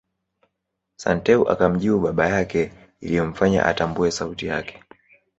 Santeu akamjibu baba yake iliyomfanya atambue sauti yake